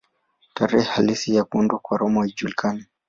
Tarehe halisi ya kuundwa kwa Roma haijulikani.